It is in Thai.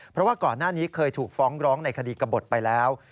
เพราะว่าก่อนหน้านี้เคยถูกฟ้องร้องในคดีกระบดไปแล้ว